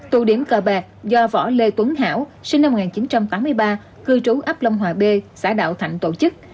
tụ điểm cờ bạc do võ lê tuấn hảo sinh năm một nghìn chín trăm tám mươi ba cư trú ấp long hòa b xã đạo thạnh tổ chức